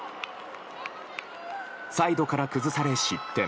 サイドから崩され失点。